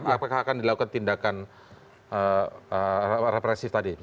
apakah akan dilakukan tindakan represif tadi